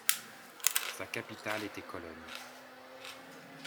Sa capitale était Cologne.